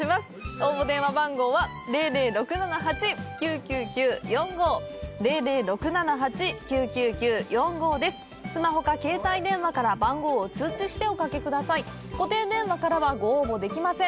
応募電話番号はスマホか携帯電話から番号を通知しておかけ下さい固定電話からはご応募できません